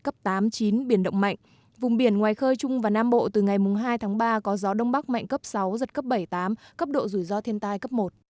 các tỉnh bắc bộ trời tiếp tục rét vùng biển ngoài khơi trung và nam bộ từ ngày hai ba có gió đông bắc mạnh cấp sáu giật cấp bảy tám cấp độ rủi ro thiên tai cấp một